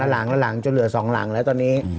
ละหลังละหลังจนเหลือสองหลังแล้วตอนนี้